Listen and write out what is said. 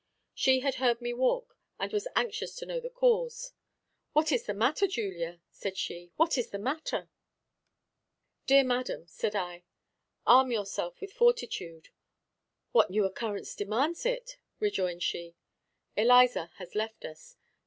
She had heard me walk, and was anxious to know the cause. "What is the matter, Julia?" said she; "what is the matter?" "Dear madam," said I, "arm yourself with fortitude." "What new occurrence demands it?" rejoined she. "Eliza has left us."